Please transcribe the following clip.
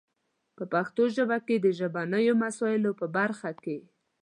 په پښتو ژبه کې د ژبنیو مسایلو په برخه کې